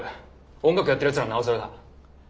音楽やってるやつならなおさらだ。